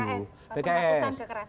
pks penghapusan kekerasan seksual